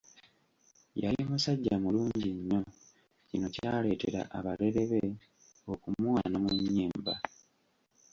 Yali musajja mulungi nnyo, kino kyaleetera abalere be okumuwaana mu nnyimba.